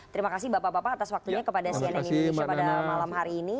terima kasih bapak bapak atas waktunya kepada cnn indonesia pada malam hari ini